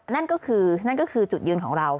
นั่นก็คือจุดยืนของเรา